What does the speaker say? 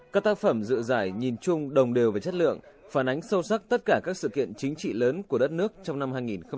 các tác phẩm dự giải nhìn chung đồng đều về chất lượng phản ánh sâu sắc tất cả các sự kiện chính trị lớn của đất nước trong năm hai nghìn một mươi chín